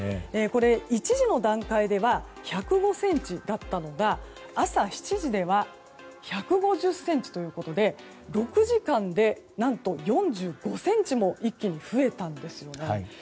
１時の段階では１０５ｃｍだったのが朝７時では１５０ｃｍということで６時間で、何と４５ｃｍも一気に増えたんですよね。